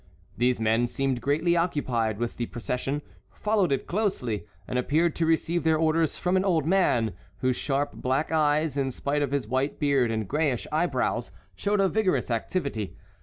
These men seemed greatly occupied with the procession, followed it closely, and appeared to receive their orders from an old man, whose sharp black eyes, in spite of his white beard and grayish eyebrows, showed a vigorous activity.